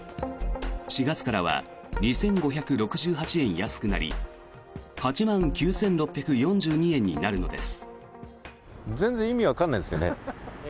４月からは２５６８円安くなり８万９６４２円になるのです。